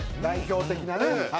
代表的なね。